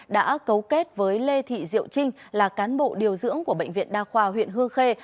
đã cấu kết với lê thị diệu trinh là cán bộ điều dưỡng của bệnh viện đa khoa huyện hương khê